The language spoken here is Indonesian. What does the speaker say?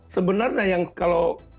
sebenarnya yang kalau